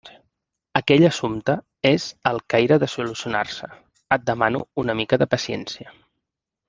Aquell assumpte és al caire de solucionar-se. Et demano una mica de paciència.